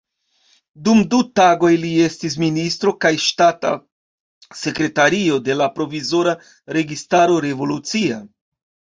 Dum du tagoj li estis ministro kaj ŝtata sekretario de la provizora registaro revolucia.